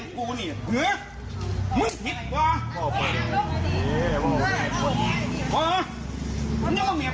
ทุพกรูกรก็หิงเนี่ย